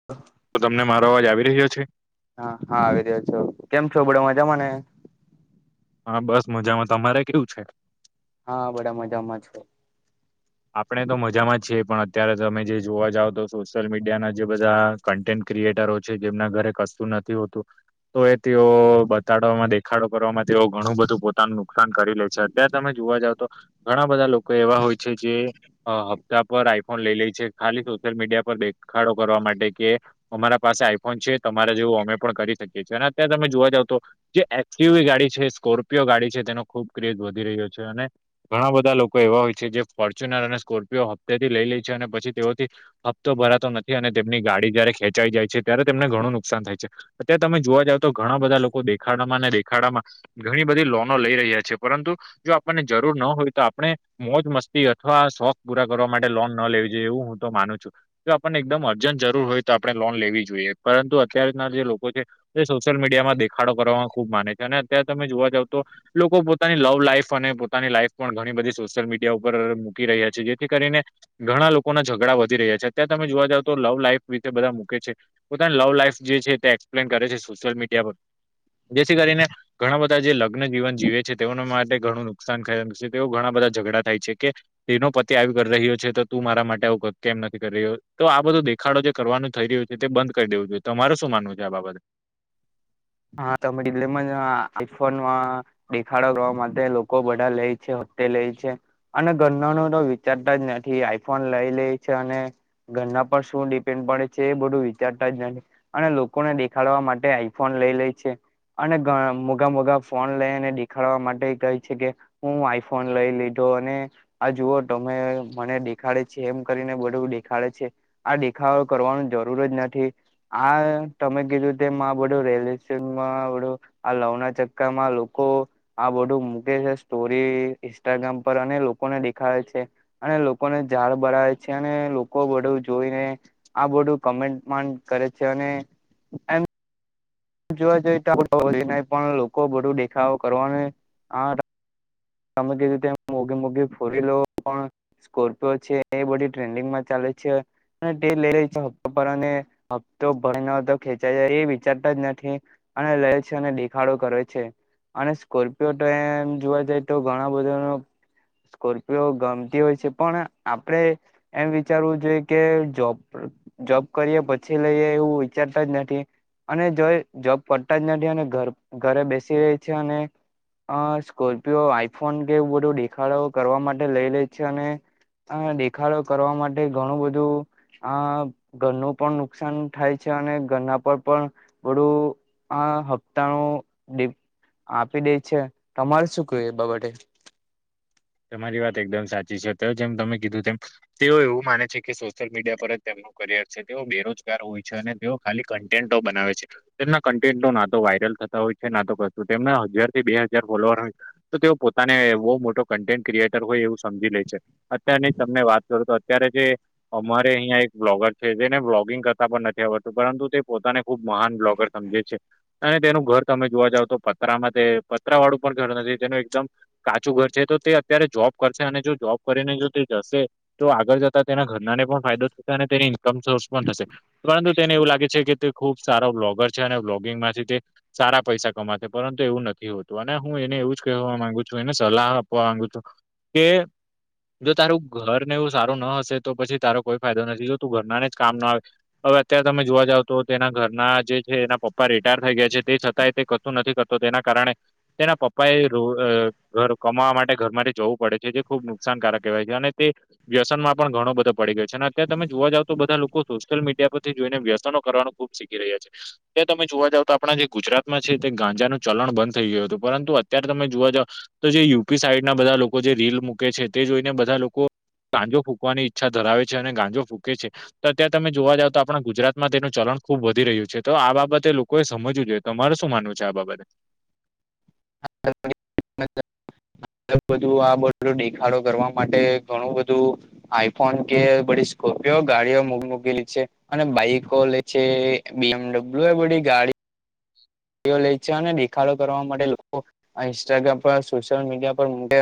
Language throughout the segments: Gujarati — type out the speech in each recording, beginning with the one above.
[unintelligible] તો તમને મારો અવાજ આવી રહ્યો છે? હા હા આવી રહ્યા છો, કેમ છો બડ મજા મને? હા બસ મજામાં તમારે કેવું છે? હા બડામજામાં છો. આપણે તો મજામાં જ છીએ પણ અત્યારે તમે જે જોવા જાવ તો સોશિયલ મીડિયાના જે બધા કન્ટેન્ટ ક્રિએટરો છે જેમના ઘરે કશતું નથી હોતું. તો એ તેઓ બતાડવામાં દેખાડો કરવામાં તેઓ ઘણું બધું પોતાનું નુકસાન કરી લે છે અત્યારે તમે જોવા જાવ તો, ઘણા બધા લોકો એવા હોય છે. જે હપ્તા પર આઈફોન લઈ લે છે, ખાલી સોશિયલ મીડિયા પર દેખાડો કરવા માટે કે અમારા પાસે આઈફોન છે તમારે જેવું અમે પણ કરી શકીએ છીએ અને અત્યારે તમે જોવા જાવ તો જે એસુ ગાડી છે સ્કોર્પિયો ગાડી છે તેનો ખુબ ક્રેઝ વધી રહ્યો છે અને ઘણા બધા લોકો એવા હોય છે જે ફોર્ચ્યુનર અને સ્કોર્પિઓ હપ્તેથી લઈ લે છે અને પછી તેઓથી. હપ્તો ભરાતો નથી અને તેમની ગાડી જયારે ખેંચાઈ જાય છે ત્યારે તેમને ઘણું નુકસાન થાય છે. અત્યારે તમે જોવા જાવ તો ઘણા બધા લોકો દેખાડામાં ને દેખાડામાં. ઘણી બધી લોનો લઈ રહ્યા છે પરંતુ, જો આપણને જરૂર ન હોય તો આપણે મોજ મસ્તી અથવા શોખ પૂરા કરવા માટે લોન ન લેવી જોઈએ એવું હું તો માનું છું. જો આપણને એકદમ અર્જન્ટ જરૂર હોય તો આપણે લોન લેવી જોઈએ પરંતુ અત્યારના જે લોકો છે. તે સોશિયલ મીડિયામાં દેખાડો કરવામાં ખુબ માને છે, અને અત્યારે તમે જોવા જાવ તો. લોકો પોતાની લવ લાઈફ અને પોતાની લાઈફ પણ ઘણી બધી સોશિયલ મીડિયા ઉપર ર મૂકી રહ્યા છે જેથી કરીને ઘણા લોકોના ઝઘડા વધી રહ્યા છે, અત્યારે તમે જોવા જાવ તો લવ લાઈફ રીતે બધા મૂકે છે. પોતાની લવ લાઈફ જે છે તે એક્સપ્લેન કરે છે સોશિયલ મીડિયા પર. જેથી કરીને, ઘણા બધા જે લગ્ન જીવન જીવે છે. તેઓના માટે ઘણું નુકસાન થ છે, તેઓ ઘણા બધા ઝઘડા થાય છે કે તેનો પતિ આવી કરી રહ્યો છે તો તું મારા માટે આવું કર. કેમ નથી કરી રહ્યો તો આ બધું દેખાડો જે કરવાનું થઈ રહ્યું છે. તે બંધ કરી દેવું જોઈએ તો તમારે શું માનવું છે આ બાબતે? હા, [unintelligible] આઈ ફોનમાં દેખાડો કરવા માટે લોકો બધા લે છે, તે લે છે. અને ઘરનું તો વિચારતા જ નથી આઈ ફોન લઈ લે છે અને ઘરના પર શું ડિપેન્ડ પડે છે? એ બધું વિચારતા જ અને લોકોને દેખાડવા માટે આઈફોન લઈ લે છે. અને મોઘા-મોઘા ફોન લઈને દેખાડવા માટે કઈ છે કે હું આઈ ફોન લઈ લીધો અને આ જુઓ તમે મને દેખાડે છે એમ કરીને બધું દેખાડે છે. આ દેખાવ કરવાની જરૂર જ નથી આ તમે કીધું તેમા બધું રેલવે-સ્ટેશનમાં બધું આ લવના ચક્કામાં લોકો આ બધું મૂકે છે સ્ટોરી ઇન્સ્ટાગ્રામ પર અને લોકોને દેખાડે છે. અને લોકોને ઝાળ બળાવે છે અને લોકો બધું જોઈને આ બધું કમેન્ટમાં કરે છે અને એમ જોવા જઈ પણ લોકો બધું દેખાવો કરવાનું આ તમે કે રીતે મોઘી-મોઘી ફોર વ્હીલો પણ સ્કોર્પિયો છે એ બધી ટ્રેન્ડિંગમાં ચાલે છે. તે લઈ રહી છે હપ્તા પર અને હપ્તો ભરાય નહી ખેંચાઈ જાય એ વિચારતા જ નથી. અને લે છે અને દેખાડો કરે છે અને સ્કોર્પિયો ટ્રેન જોવા જઈ તો ઘણા બધા સ્કોર્પિયો ગમતી હોય છે પણ આપણે એમ વિચારવું જોઈએ કે જોબ જોબ કરીએ પછી લઈએ એવું વિચારતા જ નથી. અને જોબ કરતા જ નથી અને ઘરે બેસી રહે છે અને આજકાલ આઈ ફોન કે એવું બધું દેખાડો કરવા માટે લઈ લે છે અને દેખાડો કરવા માટે ઘણું બધું આ ઘરનું પણ નુકસાન થાય છે અને ઘરના પર પણ બધું આ હપ્તાઓ આપી દે છે તમારે શું કહેવુ એ બાબતે? તમારી વાત એકદમ સાચી છે, તો જેમ તમે કીધું તેમ તેઓ એવું માને છે. કે સોશિયલ મીડિયા પર જ તેમ કારિયા છે તેઓ બેરોજગાર હોય છે અને તેઓ ખાલી કોન્ટેન્ટો બનાવે છે. તેમના કન્ટેન્ટ ના તો વાયરલ થતા હોય છે ના તો કશું તેમના હજારથી બે હજાર ફોલોવર તો તેઓ પોતાને બહુ મોટો કન્ટેન્ટ ક્રિએટર હોય એવું સમજી લે છે. અત્યની તમને વાત કરો તો અત્યારે જે અમારે અહી એક બ્લોગર છે, જેને બ્લોગિંગ કરતા પણ નથી આવડતું પરંતુ તે પોતાને ખુબ મહાન બ્લોગર સમજે છે, અને તેનું ઘર તમે જોવા જાવ તો પતરામાં તે પતરા વાળું પણ ઘર નથી. તેનું એકદમ કાચું ઘર છે તો તે અત્યારે જોબ કરશે અને જો જોબ કરીને જો તે જશે તો આગળ જતા તેના ઘરનાને પણ ફાયદો થતા અને તેની સોર્સ પણ થશે. પરંતુ તેને એવું લાગે છે કે તે ખુબ સારો બ્લોગર છે અને બ્લોગિંગ માંથી તે સારા પૈસા કમાતા પરંતુ એવું નથી હોતું અને હું એને એવું જ કહેવા માંગુ છું. એને સલાહ આપ [unintelligible] કે જો તારું ઘર ને એવું સારું ના હશે તો પછી તારો કોઈ ફાયદો નથી, જો તું ઘરનાને જ કામ ના આવે. હવે અત્યારે તમે જોવા જાવ તો તેના ઘરના જે છે, એના પપ્પા રિટાયર થઈ ગયા છે તે થતાં તે કછું નથી કરતો તેના કારણે તેના પપ્પા એ ઘર કમાવા માટે ઘર માટે જવું પડે છે જે ખુબ નુકસાનકારક કહેવાય છે અને તે વ્યસનમાં પણ ઘણો બધો પડી ગયો છે અને અત્યારે તમે જોવા જાવ તો બધા લોકો સોશિયલ મીડિયા પરથી જોઈને વ્યસનો કરવાનું ખુબ કે રહ્યા છે. ત્યાં તમે જોવા જાવ તો આપણા જે ગુજરાતમાં છે તે ગાંજાનું ચલણ બંધ થઈ ગયું હતું. પરંતુ અત્યારે તમે જોવા જાવ તો જે યુપી સાઈડના બધા લોકો જે રીલ મૂકે છે તે જોઈને બધા લોકો ગાજો ફૂકવાની ઈચ્છા ધરાવે છે અને ગાંજો ફૂકે છે. તો અત્યાંરે તમે જોવા જાવ તો આપણા ગુજરાતમાં તેનું ચલણ ખુબ વધી રહ્યું છે, તો આ બાબતે લોકોએ સમજવું જોઈએ. તમારૂ શું માનવું છે આ બાબતે? [unintelligible] વધુ પડતું બધું આ બધું દેખાડો કરવા માટે ઘણું બધું આઈફોન કે બડી સ્કોર્પિયો ગાડીઓે મોંઘી મોંઘી લી છે અને બાઈકો લે છે બી એમડબલ્યુ એ બધી ગાડી ઓ લે છે અને દેખાડો કરવા માટે લોકો આ ઇન્સ્ટાગ્રામ પર સોશિયલ મીડિયા પર મૂકે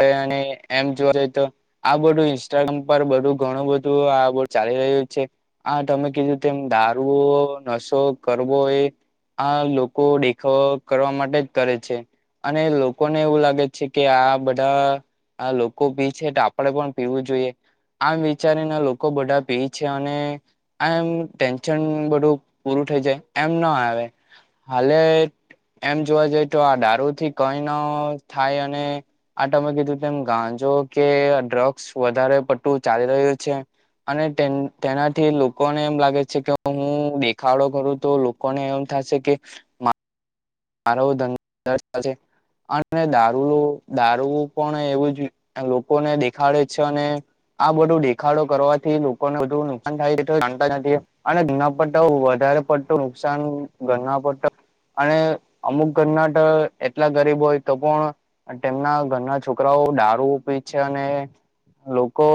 અને [unintelligible] એમ જોવા જઈ તો આ બધું ઇન્સ્ટાગ્રામ પર બધું ઘણું બધું આ બધું ચાલી રહ્યું જ છે. આ, તમે કીધુ તેમ દારૂઓ, નસો કરવો એ આ લોકો ડેખાવ કરવા માટે જ કરે છે. અને લોકોને એવું લાગે છે કે આ બધા આ લોકો પી છે, ટ આપડે પણ પીવું જોઈએ આમ વિચારીને લોકો બધા પેય છે અને આ એમ ટેન્શન બધું પૂરું થઈ જાય એમ ના આવે હાલે એમ જોવા જઈ તો આ ડારૂ થી કઈ ન થાય અને આ ટમે કીધું તેમ ગાંજો કે ડ્રગ્સ વધારે પટું ચાલી રહ્યું છે અને તેન તેનાથી લોકોને એમ લાગે છે કે હું દેખાડો કરું તો લોકોને એમ થાશે કે હારો ધંધો થશે અને દારૂલો, દારૂઓ પણ એવું જ લોકોને દેખાડે છે અને આ બધું દેખાડો કરવાથી લોકોને બધુ નુકસાન થાય એ તો જાણતા જ નથી. અને એના પરટા વધારે પડતું નુકસાન ઘરના પટ, અને અમુક ઘરના ટ એટલા ગરીબ હોય તો પણ ટેમના ઘરના છોકરાઓ ડારૂ પી છ અને લોકો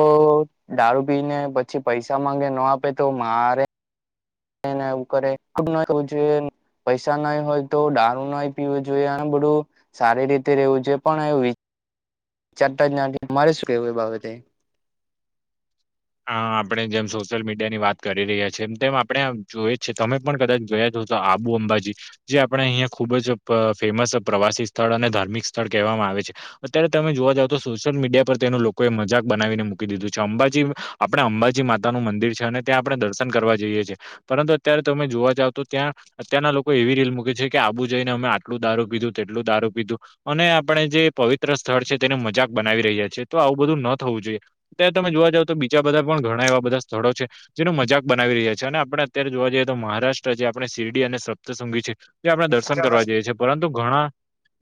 દારૂ પી ને પછી પૈસા માંગે, ન આપે તો મારે એને એવું કરે, અબ ના જોઈએ. પૈસા નહી હોય તો ડારૂ નહી પીવું જોઈએ, અને બઢૂ, સારી રીતે રવું જોઈએ પણ એવું વિચ ચારતા જ નથી, મારે શું કેવું એ બાબતે? હા, આપણે જેમ સોશિયલ મીડિયા ની વાત કરી રહ્યા છીએ, એમ તેમ આપણે જોય જ છે તમે પણ કદાચ જોયા જ જો તો આબુ અંબાજી જે આપણે અહિયાં ખુબ જ પ ફેમસ પ્રવાસી સ્થળ અને ધાર્મિક સ્થળ કહેવામાં આવે છે, અત્યારે તમે જોવા જાવ તો સોશિયલ મીડિયા પર તેનું લોકોએ મજાક બનાવીને મૂકી દીધું છે, અંબાજી વ આપણે અંબાજી માતાનું મંદિર છે અને ત્યાં આપણે દર્શન કરવા જઈએ છીએ પરંતુ, અત્યારે તમે જોવા જાવ તો, ત્યાં અત્યારના લોકો એવી રીલ મૂકે છે કે આબુ જઈને અમે આટલું દારૂ પીધું, તેટલું દારૂ પીધું અને આપણે જે પવિત્ર સ્થળ છે તેને મજાક બનાવી રહ્યા છીએ, તો આવું બધું ન થવું જોઈએ. તત્યારે તમે જોવા જાવ તો બીજા બધા પણ ઘણા એવા બધા સ્થળો છે. જેનો મજાક બનાવી રહ્યા છે અને આપણે અત્યારે જોવા જઈએ તો મહારાષ્ટ્ર જે આપણે શિરડી અને સપ્તસુન્ગી છે આપણે દર્શન કરવા જઈએ છીએ, પરંતુ ઘણા,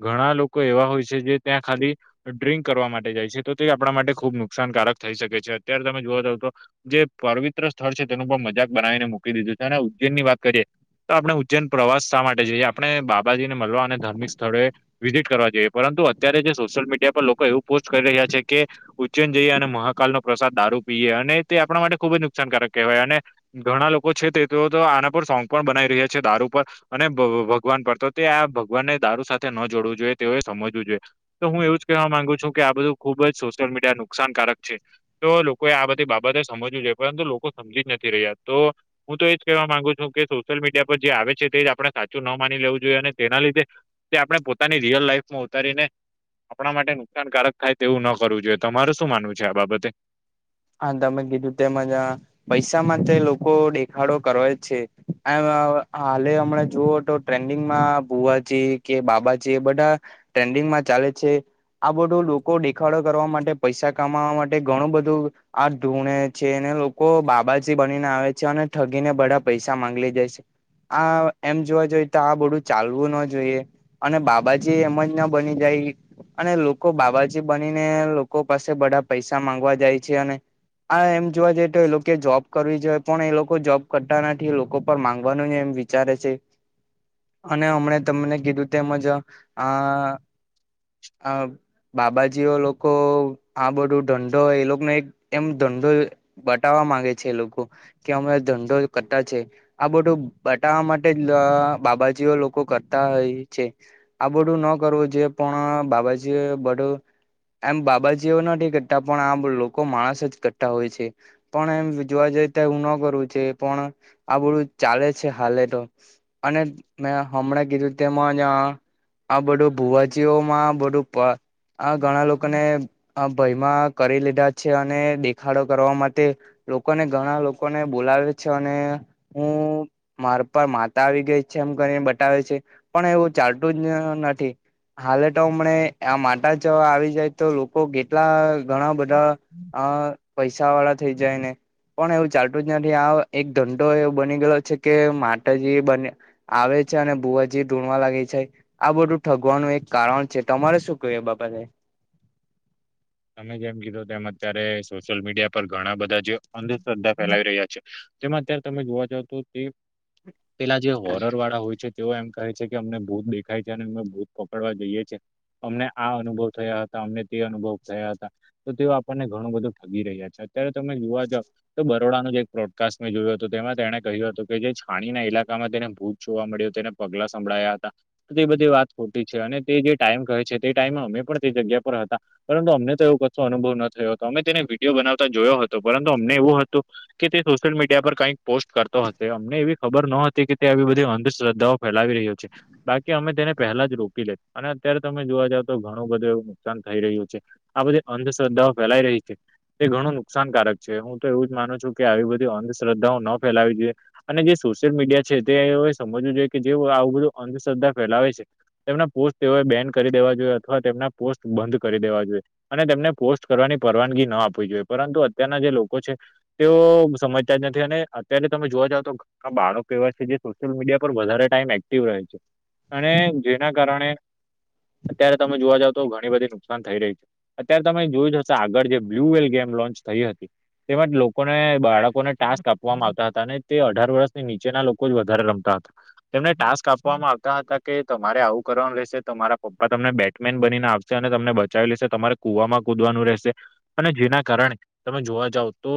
ઘણા લોકો એવા હોય છે જે ત્યાં ખાલી ડ્રિંક કરવા માટે જાય છે, તો તે આપણા માટે ખુબ નુકસાનકારક થઈ શકે છે, અત્યારે તમે જોવા જાવ તો જે પવિત્ર સ્થળ છે તેનું પણ મજાક બનાવીને મૂકી દીધું છે અને ઉજ્જૈન ની વાત કરીએ. તો આપણે ઉજ્જૈન પ્રવાસ શા માટે જઈએ આપણે બાબાજી ને મળવા અને ધાર્મિક સ્થળોએ. વિઝિટ કરવા જોઈએ પરંતુ અત્યારે જે સોશિયલ મીડિયા પર લોકો એવું પોસ્ટ કરી રહ્યા છે કે. ઉચ્ચેન જઈએ અને મહાકાલ નો પ્રસાદ દારૂ પીએ અને તે આપણા માટે ખુબ જ નુકસાનકારક કહેવાય અને ઘણા લોકો છે તે તેઓ તો આના પર સોંગ પણ બનાવી રહ્યા છે દારૂ પર. અને ભગવાન પર તો તે આ ભગવાનને દારૂ સાથે ન જોડવું જોઈએ તેઓએ સમજવું જોઈએ. તો હું એવું જ કહેવા માંગુ છું કે આ બધું ખુબ જ સોશિયલ મીડિયા નુકસાનકારક છે. તો લોકોએ આ બધી બાબતે સમજવું જોઈએ પરંતુ લોકો સમજી જ નથી રહ્યા તો હું તો એજ કહેવા માંગુ છું કે સોશિયલ મીડિયા પર જે આવે છે તે જ આપણે સાચું ન માની લેવું જોઈએ અને તેના લીધે. તે આપણે પોતાની રિયલ લાઈફ માં ઉતારી ને આપણા માટે નુકસાનકારક થાય તેવું ન કરવું જોઈએ તમારે શું માનવું છે આ બાબતે? હા તમે ગીધું તે મજા પૈસા માં તે લોકો દેખાડો કરવા જ છે, આ હાલે હમણા જુવો તો ટ્રેન્ડિંગમાં ભુવા છે કે બાબાજી એ બધા, ટ્રેન્ડિંગમાં ચાલે છે. આ બધું લોકો દેખાડો કરવા માટે પૈસા કમાવા માટે ઘણું બધું આ ધૂણે છે એને લોકો બાબાજી બનીને આવે છે અને ઠગીને બધા પૈસા માંગલી જાય છે. આ એમ જોવા જોઈએ તો આ બધું ચાલવું ના જોઈએ. અને બાબાજી એમ જ ના બની જાય, અને લોકો બાબાજી બનીને લોકો પાસે બધા પૈસા માંગવા જાય છે અને આ એમ જોવા જઈએ તો એ લોકો જોબ કરવી જોઈએ પણ એ લોકો જોબ કરતા નથી એ લોકો પર માંગવાનું ન એમ વિચાર વિચારે છે. અને હમણા તમને કીધું તેમજ, આ આ બાબાજીઓ લોકો આ બધું ધંધો એ લોકોને એક એમ ધંધો બતાવા માંગે છે લોકો, કે અમે ધંધો કરતા છે. આ બધું બટવા માટે જ બાબાજીઓ લોકો કરતા હોય છે. આ બધું ન કરવું જે પણ બાબાજી એ એમ બાબાજીઓ નથી કરતા પણ આમ લોકો માણસ જ કરતા હોય છે. પણ એમ જોવા જઈ તો એ ન કરું છે પણ, આ બધું ચાલે છે હાલે તો. અને મે હમણાં કીધું તેમાંં આ બધું ભૂવાચઓમાં બધું આ ઘણા લોકોને હ ભયમાં કરી લીધા છે અને દેખાડો કરવા માટે લોકોને ઘણા લોકોને બોલાવે છે અને હું મારે પર માતા આવી ગઈ છે એમ ઘણી બતાવે છે, પણ એવું ચાલતું જ નથી. હાલે તો હમને આ માતા જ આવી જાય તો લોકો કેટલા ઘણા બધા, અ પૈસા પસા વાળા થઈ જાય ને. પણ એવું ચાલતું જ નથી આ એક ધંધો એવો બની ગયો છે કે માતાજી બને આવે છે અને બુઆજી ઢોણવા લાગે છે. આ બધું ઠગવાનું એક કારણ છે તમારે શું ક એ બાબતે. તમે જેમ કીધું તેમ અત્યારે સોશિયલ મીડિયા પર ઘણા બધા જે અંધશ્રદ્ધા ફેલાવી રહ્યા છે. તેમાં અત્યારે તમે જોવા જાવ તો તે પેલા જે હોરર વાળા હોય છે. તેઓ એમ કહે છે કે અમને ભૂત દેખાય છે અને અમે ભૂત પકડવા જઈએ છીએ. અમને આ અનુભવ થયા હતા અમને તે અનુભવ થયા હતા. તો તેઓ આપણને ઘણું બધું ઠગી રહ્યા છે અત્યારે તમે જોવા જ. તો બરોડાનું જે એક પ્રોડકાસ્ટ મેં જોયું હતું તેમાં તેણે કહ્યું હતું કે જે છાણીના ઇલાકામાં તેને ભૂજ જોવા મળ્યો તેને પગલા સંભળાયા હતા. બધી વાત ખોટી છે. અને તે જે ટાઈમ કહે છે, તે ટાઈમ અમે પણ તે જગ્યા પર હતા. પરંતુ અમને તો એવો કશો અનુભવ ન થયો હતો અમે તેને વિડીયો બનાવતા જોયો હતો પરંતુ અમને એવું હતું કે તે સોશિયલ મીડિયા પર કઈક પોસ્ટ કરતો હતો, અમને એવી ખબર ન હતી કે તે આવી બધી અંધશ્રદ્ધાઓ ફેલાવી રહ્યો છે. બાકી અમે તેને પહેલા જ રોકી લેત, અને અત્યારે તમે જોવા જાવ તો ઘણું બધું એવું નુકસાન થઈ રહ્યું છે. આ બધી અંધશ્રદ્ધાઓ ફેલાઈ રહી છે. એ ઘણું નુકસાનકારક છે. હું તો એવું જ માનું છું કે, આવી બધી અંધશ્રદ્ધાઓ ન ફેલાવી જોઈએ. અને જે સોશિયલ મીડિયા છે, તે સમજવું જોઈએ કે જે આવું બધું અંધશ્રદ્ધા ફેલાવે છે. તેમના પોસ્ટ તેઓએ બેન કરી દેવા જોઈએ, અથવા તેમના પોસ્ટ બંધ કરી દેવા જોઈએ. અને તેમને પોસ્ટ કરવાની પરવાનગી ન આપવી જોઈએ. પરંતુ અત્યારના જે લોકો છે. તેઓ સમજતા જ નથી અને અત્યારે તમે જોવા જાવ તો આ બાળક એવા છે જે સોશિયલ મીડિયા પર વધારે ટાઈમ એક્ટિવ રહે છે. અને જેના કારણે અત્યારે તમે જોવા જાવ તો, ઘણી બધી નુકસાન થઈ રહી છે. અત્યારે તમે જોયું જશે આગળ જે બ્લુ વેલ ગેમ લોન્ચ થઈ હતી.? તેવાજ લોકોને બાળકોને ટાસ્ક આપવામાં આવતા હતા. અને તે અઢાર વર્ષની નીચેના લોકો જ વધારે રમતા હતા. તેમને ટાસ્ક આપ આપવામાં આવતા હતા કે તમારે આવું કરવાનું રહેશે, તમારા પપ્પા તમને બેટમેન બનીને આવશે અને તમને બચાવી લેશે. તમારે કુવામાં કૂદવાનું રહેશે અને જેના કારણે, તમે જોવા જાવ તો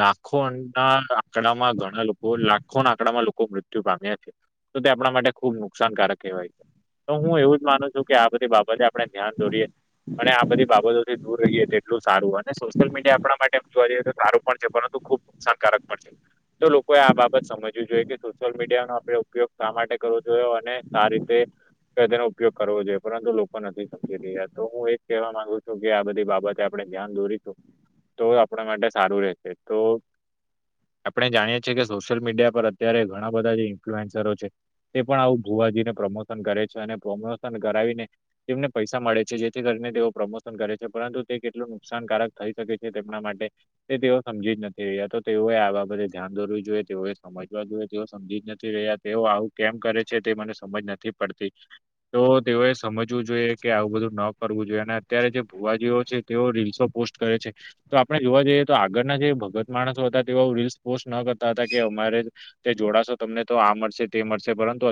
લાખો ના આંકડામાં ઘણા લોકો લાખો ના આંકડામાં લોકો મૃત્યુ પામ્યા છે. તો તે આપણા માટે ખુબ નુકસાનકારક કહેવાય. તો હું એવું જ માનું છું કે, આ બધી બાબતે આપણે ધ્યાન દોરીએ અને આ બધું થી દૂર રહીએ તો એટલું સારું અને સોશિયલ મીડિયા આપણા માટેમ જોવા જઈએ તો સારું પણ છે. પરંતુ ખુબ નુકસાન કારક પણ શે. તો લોકોએ આ બાબત સમજવી જોઈએ કે, સોશિયલ મીડિયાનો આપડણે ઉપયોગ શા માટે કરવો જોઈયો અને સા રીતે તેનો ઉપયોગ કરવો જોઈએ પરંતુ લોકો નથી સમખી રહ્યા તો હું એક કેવા માંગુ છું કે આ બધી બાબતે આપણે ધ્યાન દોરીશું. તો આપણા માટે સારું રહેશે તો આપણે જાણીએ છીએ કે, સોશિયલ મીડિયા પર અત્યારે ઘણા બધા જે ઇન્ફ્લુએન્સરો છે. તે પણ આવું ભુવાજીને પ્રમોશન કરે છે. અને પ્રમોશન કરાવીને તેમને પૈસા મળે છે જેથી કરીને તેઓ પ્રમોશન કરે છે. પરંતુ તે કેટલું નુકસાનકારક થઈ શકે છે, તેમના માટે તે તેઓ સમજી જ નથી રહ્યા તો તેઓએ આ બાબતે ધ્યાન દોરવું જોઈએ, તેઓએ સમજવા જોઈએ તેઓ સમજી જ નથી રહ્યા તેઓ આવું કેમ કરે છે, તે મને સમજ નથી પડતી. તો તેઓએ સમજવું જોઈએ કે આવું બધું ન કરવું જોઈએ. અને અત્યારે જે ભુવાજીઓ છે તેઓ રીલ્સો પોસ્ટ કરે છે. તો આપણે જોવા જઈએ તો આગળના જે ભગત માણસો હતા તેઓ રીલ્સ પોસ્ટ ન કરતા હતા, કે અમારે તે જોડાશો તમને તો આ મળશે તે મળશે પરંતુ